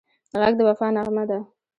غږ د وفا نغمه ده